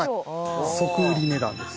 即売り値段です。